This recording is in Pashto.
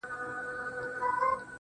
ستا په وعده کې نن څهٔ چل غوندې و